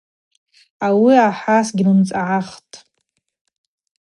Ауи ахӏа сгьлымцӏгӏахтӏ.